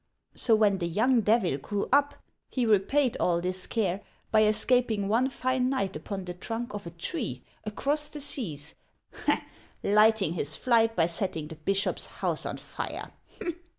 So when the young devil grew up, he repaid all this care by escaping one fine night upon the trunk of a tree, across the seas, lighting his flight by setting the bishop's house on fire.